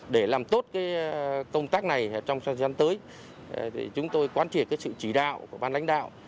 để làm tốt công tác này trong gian tới chúng tôi quan trị sự chỉ đạo của ban lãnh đạo